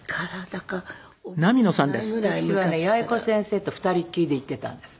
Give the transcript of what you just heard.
私はね八重子先生と２人きりで行ってたんです。